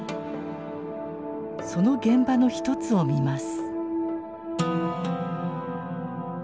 その現場の一つを見ます。